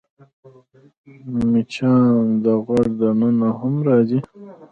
مچان د غوږ دننه هم راځي